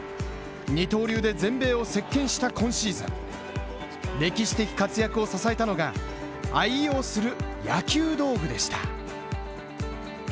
二刀流で全米を席巻した今シーズン、歴史的活躍を支えたのが愛用する野球道具でした。